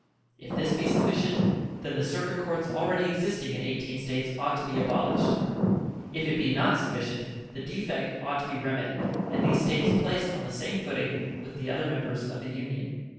If this be sufficient, then the circuit courts already existing in 18 States ought to be abolished; if it be not sufficient, the defect ought to be remedied, and these States placed on the same footing with the other members of the Union.